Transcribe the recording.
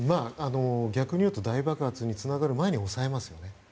逆に言うと大爆発につながる前に抑えますよね。